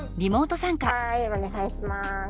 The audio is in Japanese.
はいお願いします。